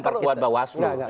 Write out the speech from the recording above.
memperkuat bawah seluruh rendah